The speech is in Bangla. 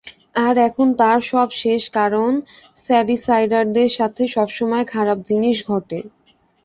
আর এখন তার সব শেষ কারন শ্যাডিসাইডার দের সাথে সবসময় খারাপ জিনিস ঘটে।